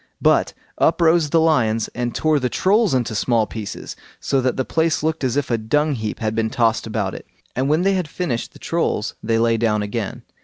But up rose the lions and tore the Trolls into small pieces, so that the place looked as if a dung heap had been tossed about it; and when they had finished the Trolls they lay down again.